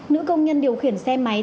nữ công nhân điều khiển xe máy